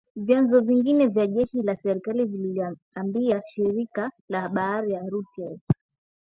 Vyanzo vingine vya jeshi la serikali vililiambia shirika la habari la Reuters